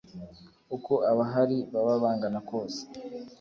uko abahari baba bangana kose